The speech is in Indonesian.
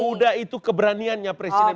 udah udah itu keberaniannya presiden